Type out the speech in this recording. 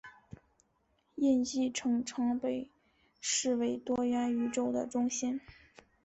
印记城常被视为多元宇宙的中心。